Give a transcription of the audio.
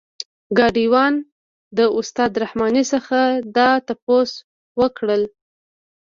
ګاډی وان د استاد رحماني څخه دا تپوس وکړلو.